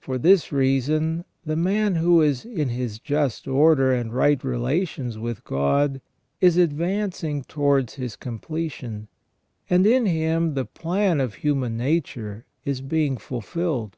For this reason the man who is in his just order and right relations with God is advancing towards his completion, and in him the plan of human nature is being ful filled.